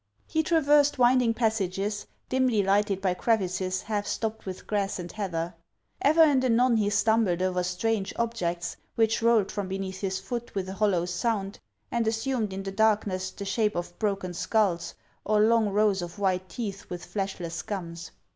He traversed winding passages, dimly lighted by crev ices half stopped with grass and heather. Ever and anon he stumbled over strange objects, which rolled from be neath his foot with a hollow sound, and assumed in the darkness the shape of broken skulls or long rows of white teeth with fleshless gums.